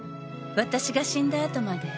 「私が死んだ後まで」